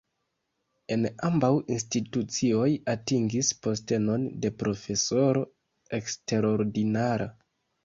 En ambaŭ institucioj atingis postenon de profesoro eksterordinara.